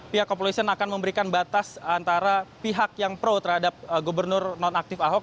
polisian akan memberikan batas antara pihak yang pro terhadap gubernur non aktif ahok